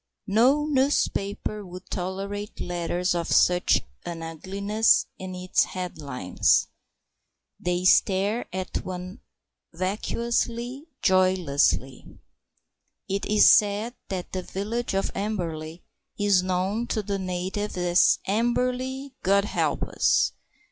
No newspaper would tolerate letters of such an ugliness in its headlines. They stare at one vacuously, joylessly. It is said that the village of Amberley is known to the natives as "Amberley, God help us!"